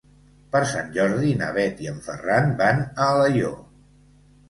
Per Sant Jordi na Bet i en Ferran van a Alaior.